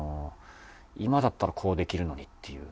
「今だったらこうできるのに」っていう。